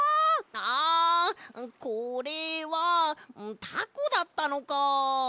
あこれはたこだったのか！